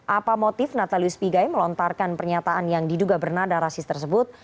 apa motif natalius pigai melontarkan pernyataan yang diduga bernada rasis tersebut